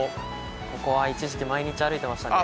ここは一時期毎日歩いてましたね